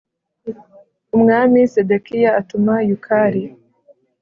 Umwami Sedekiya atuma Yukali.